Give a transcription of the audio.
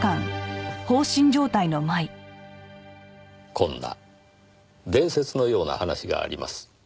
こんな伝説のような話があります。